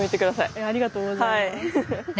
ありがとうございます。